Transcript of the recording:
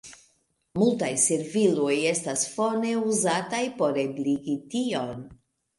Multaj serviloj estas fone uzataj por ebligi tion.